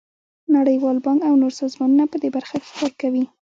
نړیوال بانک او نور سازمانونه په دې برخه کې کار کوي.